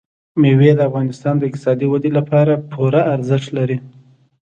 مېوې د افغانستان د اقتصادي ودې لپاره پوره ارزښت لري.